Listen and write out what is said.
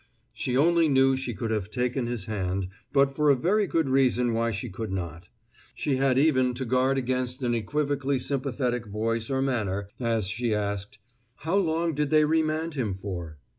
She only knew she could have taken his hand, but for a very good reason why she could not. She had even to guard against an equivocally sympathetic voice or manner, as she asked, "How long did they remand him for?"